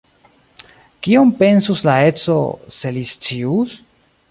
Kion pensus la edzo, se li scius?